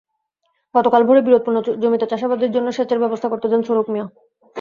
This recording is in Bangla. গতকাল ভোরে বিরোধপূর্ণ জমিতে চাষবাসের জন্য সেচের ব্যবস্থা করতে যান ছুরুক মিয়া।